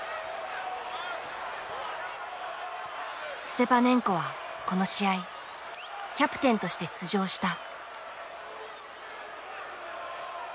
ステパネンコはこの試合キャプテンとして出場した。